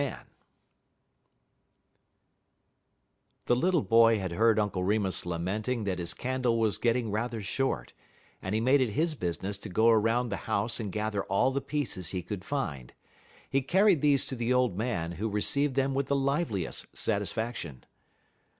MAN The little boy had heard Uncle Remus lamenting that his candle was getting rather short, and he made it his business to go around the house and gather all the pieces he could find. He carried these to the old man, who received them with the liveliest satisfaction.